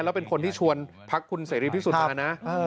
แล้วเป็นคนที่ชวนพักคุณเสรีพิสุทธิ์มานะ